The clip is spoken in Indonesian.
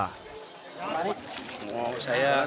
saya menghormati menteri pendidikan